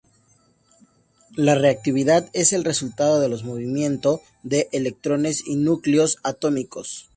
La reactividad es el resultado del movimiento de electrones y núcleos atómicos.